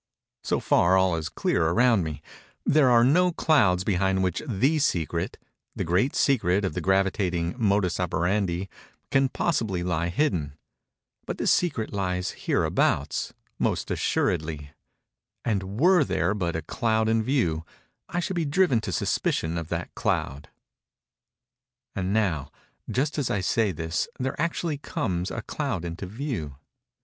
So far all is clear around me:—there are no clouds behind which the secret—the great secret of the gravitating modus operandi—can possibly lie hidden;—but this secret lies hereabouts, most assuredly; and were there but a cloud in view, I should be driven to suspicion of that cloud." And now, just as I say this, there actually comes a cloud into view.